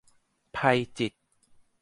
ไพจิตร